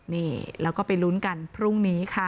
นี่แล้วก็ไปลุ้นกันพรุ่งนี้ค่ะ